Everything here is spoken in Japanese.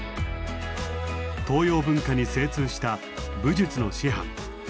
東洋文化に精通した武術の師範。